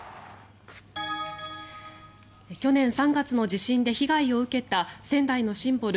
去年３月の地震で被害を受けた仙台のシンボル